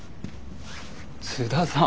津田さん。